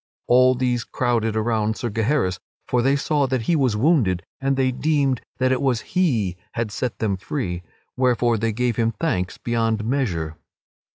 All these crowded around Sir Gaheris, for they saw that he was wounded and they deemed that it was he had set them free, wherefore they gave him thanks beyond measure.